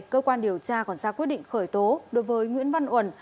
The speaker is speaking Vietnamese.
cơ quan điều tra còn ra quyết định khởi tố đối với nguyễn văn uẩn